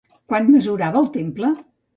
Quant mesurava el temple?